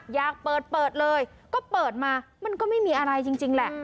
อยากเปิดเปิดเลยก็เปิดมามันก็ไม่มีอะไรจริงแหละ